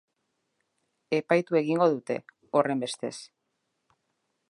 Epaitu egingo dute, horrenbestez.